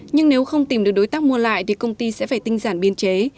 nhưng nếu không tìm được đối tác mua lại thì công ty sẽ phải tinh giản biên chế